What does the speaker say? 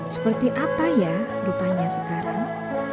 seperti apa ya rupanya sekarang